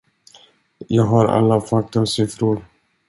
Jag har alla fakta och siffror.